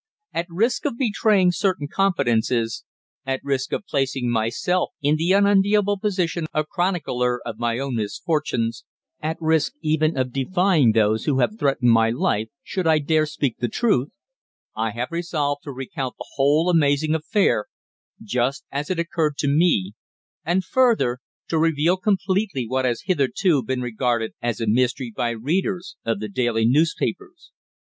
At risk of betraying certain confidences; at risk of placing myself in the unenviable position of chronicler of my own misfortunes; at risk even of defying those who have threatened my life should I dare speak the truth, I have resolved to recount the whole amazing affair, just as it occurred to me, and further, to reveal completely what has hitherto been regarded as a mystery by readers of the daily newspapers.